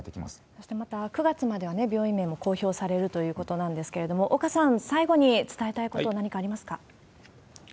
そしてまた、９月まではね、病院名も公表されるということなんですけれども、岡さん、最後に伝えたいこと、何かありますか？